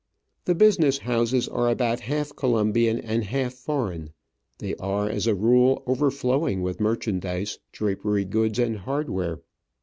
The business houses are about half Colombian and half foreign ; they are, as a rule, overflowing with merchandise, drapery goods, and hardware.